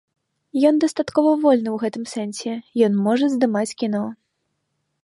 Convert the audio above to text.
Ён дастаткова вольны ў гэтым сэнсе, ён можа здымаць кіно.